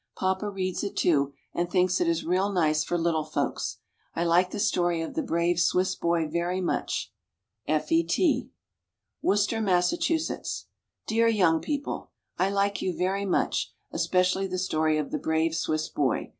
Papa reads it too, and thinks it is real nice for little folks. I like the story of the "Brave Swiss Boy" very much. EFFIE T. WORCESTER, MASSACHUSETTS. DEAR "YOUNG PEOPLE," I like you very much, especially the story of the "Brave Swiss Boy."